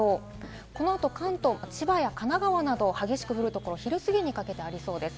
この後、関東、千葉や神奈川など激しく降るところ、昼すぎにかけてありそうです。